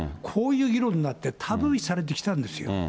こういう議論になって、タブー視されてきたんですよ。